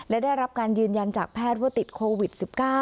และได้รับการยืนยันจากแพทย์ว่าติดโควิด๑๙